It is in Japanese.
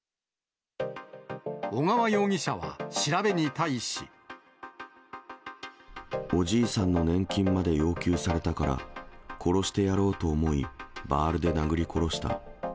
小川容疑者は調べに対し。おじいさんの年金まで要求されたから、殺してやろうと思い、バールで殴り殺した。